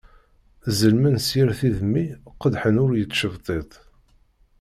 Zellmen s yir tidmi qeddḥen ul yettcebṭiṭ.